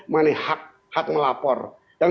mengenai hak melapor dan